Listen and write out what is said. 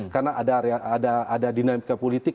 karena ada dinamika politik